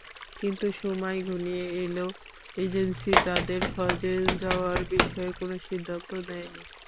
কিন্তু সময় ঘনিয়ে এলেও এজেন্সি তাঁদের হজে যাওয়ার বিষয়ে কোনো সিদ্ধান্ত দেয়নি।